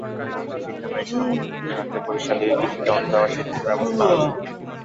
পাশাপাশি শিক্ষা ব্যয় সামর্থ্যের মধ্যে রাখতে প্রতিষ্ঠানটিতে কিস্তিতে অর্থ দেওয়ার ব্যবস্থা আছে।